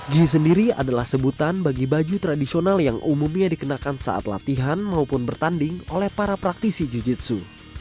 gi sendiri adalah sebutan bagi baju tradisional yang umumnya dikenakan saat latihan maupun bertanding oleh para praktisi jiu jitsu